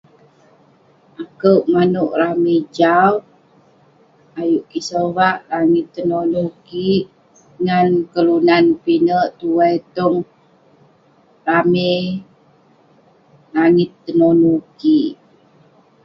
Akouk manouk rame' jau, ayuk kik sovak langit tenonu kik ngan kelunan pinek tuai tong rame'..langit tenonu kik..